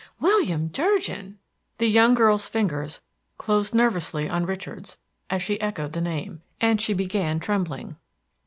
"William Durgin!" The young girl's fingers closed nervously on Richard's as she echoed the name, and she began trembling.